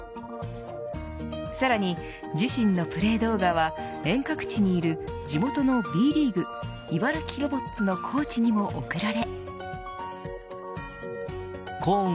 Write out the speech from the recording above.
さらに自身のプレー動画は遠隔地にいる地元のＢリーグ茨城ロボッツのコーチにも送られ。